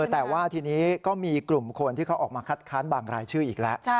แต่ว่าทีนี้ก็มีกลุ่มคนที่เขาออกมาคัดค้านบางรายชื่ออีกแล้ว